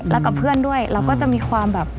แล้วกับเพื่อนด้วยเราก็จะมีความแบบ